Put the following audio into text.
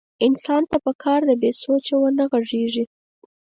انسان ته پکار ده بې سوچه ونه غږېږي.